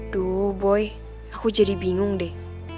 duh boy aku jadi bingung deh